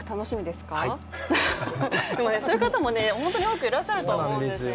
まあそういう方も多くいらっしゃるとは思うんですよ